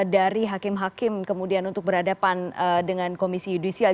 dari hakim hakim kemudian untuk berhadapan dengan komisi yudisial